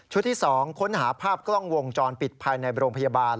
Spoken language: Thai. ที่๒ค้นหาภาพกล้องวงจรปิดภายในโรงพยาบาล